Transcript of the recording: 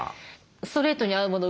ストレートに合うもの